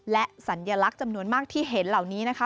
และสัญลักษณ์จำนวนมากที่เห็นเหล่านี้นะคะ